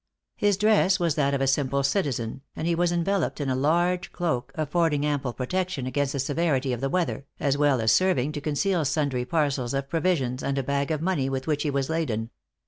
His dress was that of a simple citizen, and he was enveloped in a large cloak, affording ample protection against the severity of the weather, as well as serving to conceal sundry parcels of provisions, and a bag of money, with which he was laden.